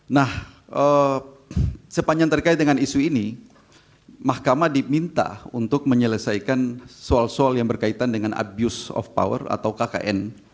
nah sepanjang terkait dengan isu ini mahkamah diminta untuk menyelesaikan soal soal yang berkaitan dengan abuse of power atau kkn